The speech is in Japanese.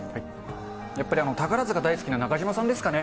やっぱり宝塚大好きな中島さんですかね。